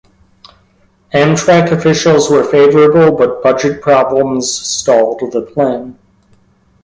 Amtrak officials were favorable, but budget problems stalled the plan.